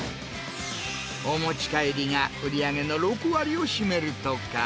お持ち帰りが売り上げの６割を占めるとか。